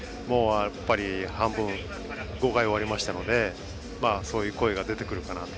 半分、５回終わりましたのでそういう声が出てくるかなと。